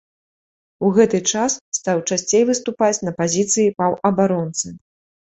У гэты час стаў часцей выступаць на пазіцыі паўабаронцы.